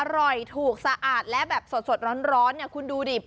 อร่อยถูกสะอาดและแบบสดร้อนคุณดูดิ